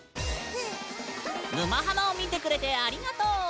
「沼ハマ」を見てくれてありがとう！